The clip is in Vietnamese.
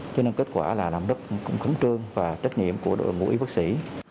cho nên kết quả là làm rất khẩn trương và trách nhiệm của đội ngũ y bác sĩ